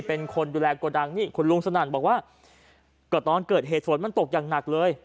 เป็นคนดูแลโกดังนี่คุณลุงสนั่นบอกว่าก็ตอนเกิดเหตุฝนมันตกอย่างหนักเลย